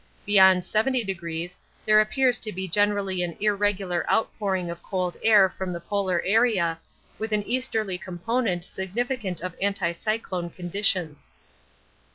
Beyond 70° there appears to be generally an irregular outpouring of cold air from the polar area, with an easterly component significant of anticyclone conditions.